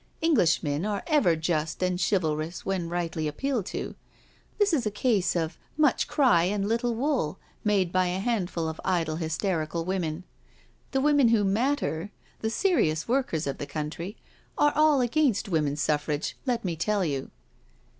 Englishmen are ever just and chivalrous when rightly appealed to. This is a case of ' much cry and little wool ' made by a handful of idle hysterical women. The women who matter, the serious workers of the country, are all against Woman Suffrage, let me tell you."